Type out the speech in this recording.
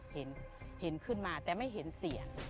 เห็นขึ้นมาแต่ไม่เห็นเสีย